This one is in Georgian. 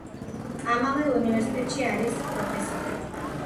ამავე უნივერსიტეტში არის პროფესორი.